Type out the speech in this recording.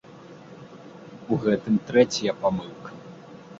У гэтым трэцяя памылка.